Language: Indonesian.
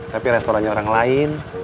tapi restorannya orang lain